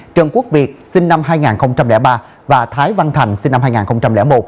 trần quốc việt sinh năm hai nghìn ba và thái văn thành sinh năm hai nghìn một